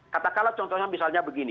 katakanlah contohnya misalnya begini